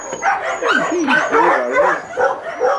Amek ay iga uɣerbaz-nni?